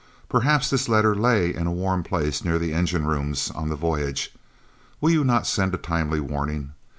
Perhaps this letter lay in a warm place near the engine rooms on the voyage. Will you not send a timely warning?